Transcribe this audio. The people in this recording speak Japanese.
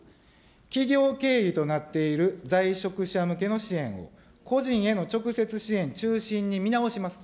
企業経理となっている在職者向けの支援、個人への直接支援中心に見直しますと。